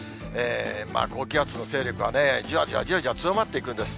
高気圧の勢力がじわじわじわじわ強まっていくんです。